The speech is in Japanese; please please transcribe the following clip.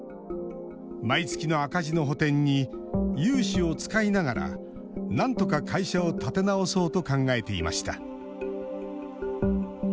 毎月の赤字の補填に融資を使いながらなんとか会社を立て直そうと考えていました。